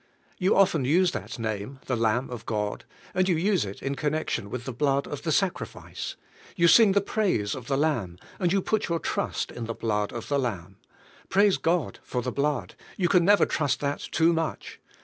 You often use that name — the Lamb of God — and you use it in connection with the blood of the sacrifice. You sing the praise of the Lamb, and you put 3^our trust in the blood of the Lamb. Praise God for the blood. You never can trust that too much.